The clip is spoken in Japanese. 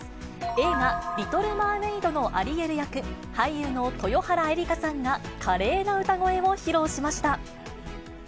映画、リトル・マーメイドのアリエル役、俳優の豊原江理佳さんが華麗な歌声を披露しました。